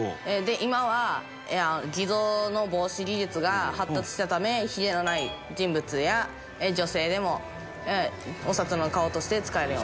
今は偽造の防止技術が発達したためヒゲのない人物や女性でもお札の顔として使えるようになりました。